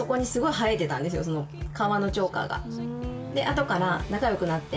後から仲良くなって。